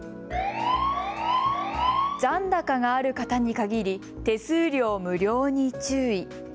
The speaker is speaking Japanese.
残高がある方に限り手数料無料に注意。